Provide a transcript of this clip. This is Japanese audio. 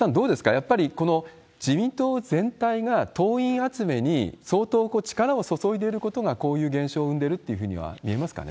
やっぱりこの自民党全体が党員集めに相当力を注いでいることが、こういう現象生んでるっていうふうには言えますかね。